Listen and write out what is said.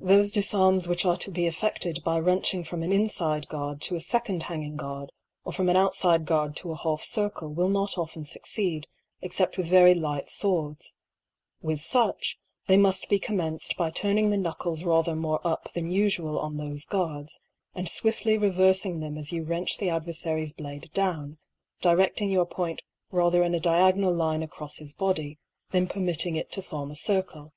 Thole difarms which kve to be effeded by wrenching from an infide guard to a feconde hanging guard, or from an outiide guard to a half circle will not often fucceed, except with very light fwords. With fiich, they muft be commenced by turning the knuckles rather more up than ufual on thofe guards, and fwiftly reverfing them as you wrench the adverfary's blade down, dirediing your point rather in a diagonal line acrofs his body, than permitting it to form a circle.